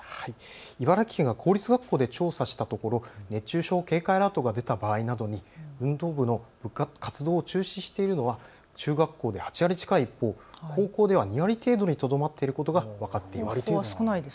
茨城県が公立学校で調査したところ、熱中症警戒アラートが出た場合などに運動部の活動を中止しているのは中学校で８割近い一方、高校では２割程度にとどまっていることが分かっています。